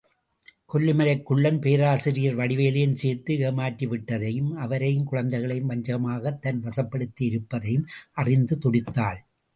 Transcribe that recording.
கொல்லிமலைக் குள்ளன் பேராசிரியர் வடிவேலையும் சேர்த்து ஏமாற்றி விட்டதையும், அவரையும் குழந்தைகளையும் வஞ்சகமாகத் தன் வசப்படுத்தியிருப்பதையும் அறிந்து துடித்தாள்.